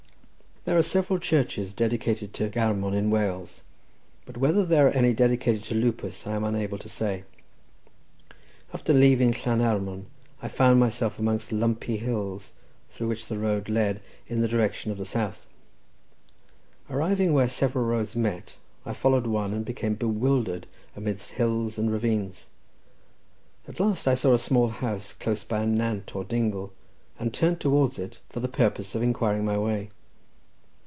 There are several churches dedicated to Garmon in Wales, but whether there are any dedicated to Lupus I am unable to say. After leaving Llanarmon I found myself amongst lumpy hills, through which the road led in the direction of the south. Arriving where several roads met, I followed one, and became bewildered amidst hills and ravines. At last I saw a small house close by a nant, or dingle, and turned towards it for the purpose of inquiring my way.